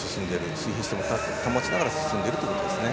水平を保ちながら進んでいるということですね。